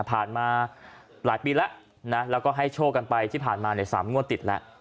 ผ่านมาหลายปีแล้วนะแล้วก็ให้โชคกันไปที่ผ่านมาใน๓งวดติดแล้ว